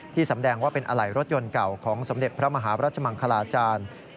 แสดงว่าเป็นอะไหล่รถยนต์เก่าของสมเด็จพระมหารัชมังคลาจารย์